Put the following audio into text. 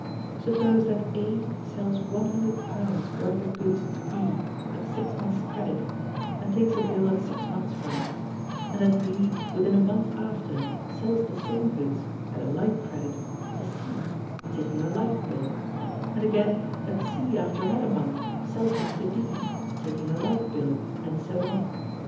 Suppose that A sells £100 worth of goods to B at six months' credit, and takes a bill at six months for it; and that B, within a month after, sells the same goods, at a like credit, to C, taking a like bill; and again, that C, after another month, sells them to D, taking a like bill, and so on.